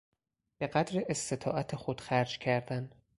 به قدر استطاعت خود خرج کردن